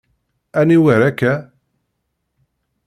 Aniwer akka?